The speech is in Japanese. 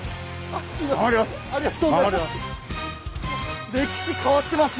ありがとうございます。